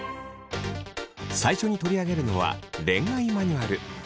最初に取り上げるのは恋愛マニュアル。